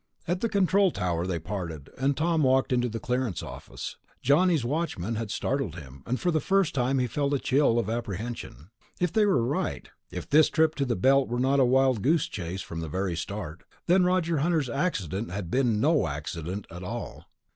At the control tower they parted, and Tom walked into the clearance office. Johnny's watch man had startled him, and for the first time he felt a chill of apprehension. If they were right ... if this trip to the Belt were not a wild goose chase from the very start ... then Roger Hunter's accident had been no accident at all.